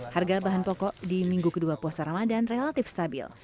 harga bahan pokok di minggu kedua puasa ramadan relatif stabil